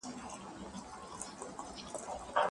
آیا دغه فاتح به د نوي نسل لپاره الګو وي؟